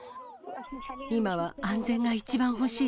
今は安全が一番欲しい。